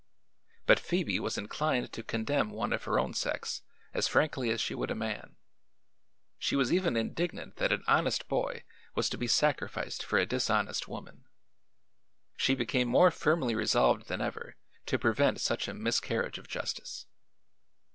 But Phoebe was inclined to condemn one of her own sex as frankly as she would a man. She was even indignant that an honest boy was to be sacrificed for a dishonest woman. She became more firmly resolved than ever to prevent such a miscarriage of justice.